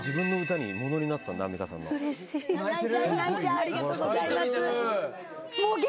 ありがとうございます。